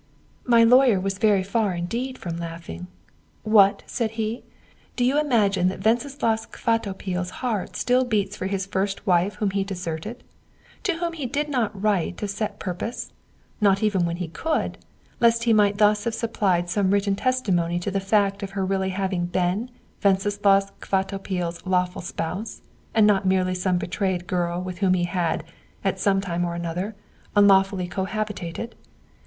"My lawyer was very far indeed from laughing. 'What!' said he, 'do you imagine that Wenceslaus Kvatopil's heart still beats for his first wife whom he deserted to whom he did not write of set purpose, not even when he could, lest he might thus have supplied some written testimony to the fact of her really having been Wenceslaus Kvatopil's lawful spouse, and not merely some betrayed girl with whom he had, at some time or other, unlawfully cohabited?